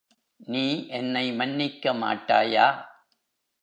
நீ என்னை மன்னிக்க மாட்டாயா?